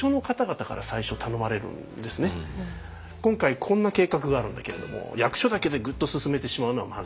今回こんな計画があるんだけれども役所だけでグッと進めてしまうのはまずい。